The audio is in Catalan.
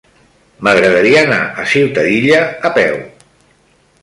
M'agradaria anar a Ciutadilla a peu.